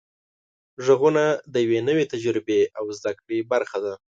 غږونه د یوې نوې تجربې او زده کړې برخه ده.